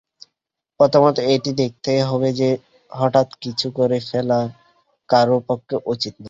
প্রথমত এটি দেখতে হবে যে, হঠাৎ কিছু করে ফেলা কারও পক্ষে উচিত নয়।